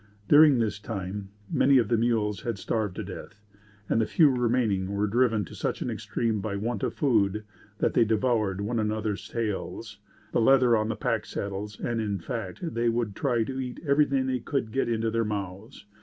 During this time, many of their mules had starved to death, and the few remaining were driven to such an extreme by want of food, that they devoured one another's tails, the leather on the pack saddles; and, in fact, they would try to eat everything they could get into their mouths.